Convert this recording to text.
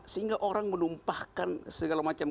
sehingga orang menumpahkan segala macam